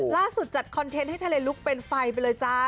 จัดคอนเทนต์ให้ทะเลลุกเป็นไฟไปเลยจ้า